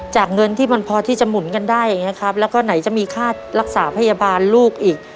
เงินที่มันพอที่จะหมุนกันได้อย่างนี้ครับแล้วก็ไหนจะมีค่ารักษาพยาบาลลูกอีก